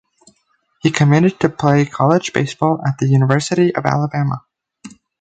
He committed to play college baseball at the University of Alabama.